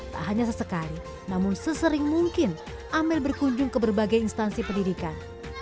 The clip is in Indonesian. tak hanya sesekali namun sesering mungkin amel berkunjung ke berbagai instansi pendidikan